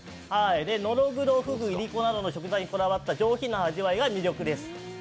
ノドグロ、フグ、イリコなどの食材にこだわった上品な味わいが魅力です。